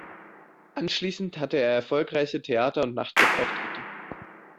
Anschließend hatte er erfolgreiche Theater- und Nachtclub-Auftritte.